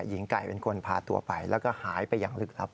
หญิงไก่เป็นคนพาตัวไปแล้วก็หายไปอย่างลึกลับ